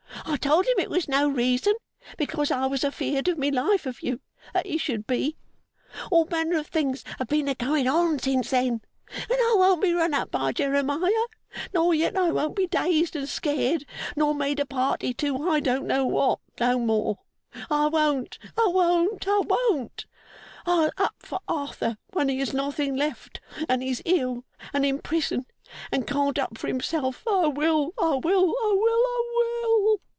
I told him it was no reason, because I was afeard of my life of you, that he should be. All manner of things have been a going on since then, and I won't be run up by Jeremiah, nor yet I won't be dazed and scared, nor made a party to I don't know what, no more. I won't, I won't, I won't! I'll up for Arthur when he has nothing left, and is ill, and in prison, and can't up for himself. I will, I will, I will, I will!